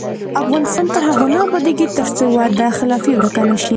افغانستان تر هغو نه ابادیږي، ترڅو وعده خلافي ورکه نشي.